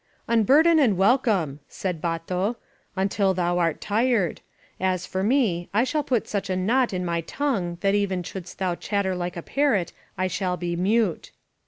"Unburden and welcome," said Bato, "until thou art tired. As for me, I shall put such a knot in my tongue that even shouldst thou chatter like a parrot I shall be mute."